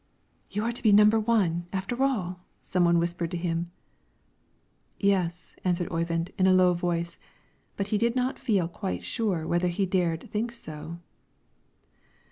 "You are to be number one, after all," some one whispered to him. "Yes," answered Oyvind, in a low voice, but did not feel quite sure yet whether he dared think so.